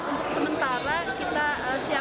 untuk sementara kita siapkan di pusat nas ada empat ratus